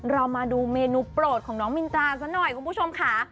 เรามาดูเมนูโปรดของน้องมินตราซะหน่อยคุณผู้ชมค่ะ